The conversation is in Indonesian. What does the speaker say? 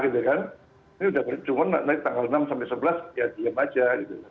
ini sudah berjalan cuma dari tanggal enam sampai sebelas ya diam saja